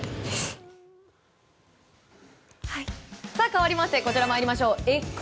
かわりましてこちらに参りましょう。